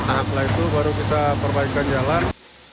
nah setelah itu baru kita perbaikan jalan